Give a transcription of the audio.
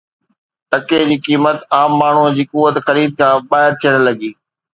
ٽڪي جي قيمت عام ماڻهوءَ جي قوت خرید کان ٻاهر ٿيڻ لڳي